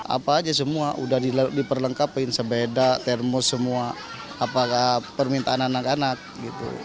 apa aja semua sudah diperlengkapi sebeda termos semua permintaan anak anak gitu